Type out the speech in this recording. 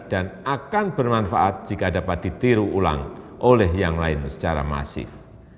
dan akan bermanfaat jika dapat ditiru ulang oleh yang lain secara masif